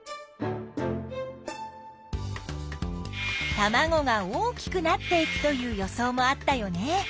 たまごが大きくなっていくという予想もあったよね。